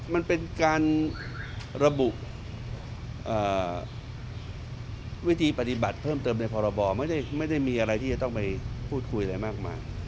มันเป็นการระบุวิธีปฏิบัติเพิ่มเติมในพรบไม่ได้มีอะไรที่จะต้องไปพูดคุยอะไรมากมาย